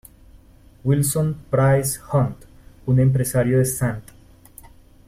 Wilson Price Hunt, un empresario de St.